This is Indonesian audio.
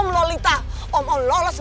ternyata sudah menikah sama om lolita